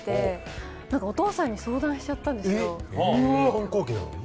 反抗期なのに？